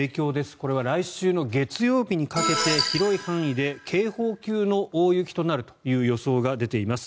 これは来週の月曜日にかけて広い範囲で警報級の大雪となるという予想が出ています。